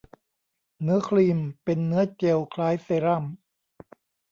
เนื้อครีมเป็นเนื้อเจลคล้ายเซรั่ม